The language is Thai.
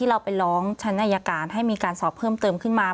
เราไปร้องชั้นอายการให้มีการสอบเพิ่มเติมขึ้นมา